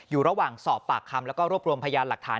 อยู่ระหว่างสอบปากคำแล้วก็รวบรวมพยานหลักฐาน